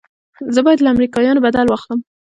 زه بايد له امريکايانو بدل واخلم.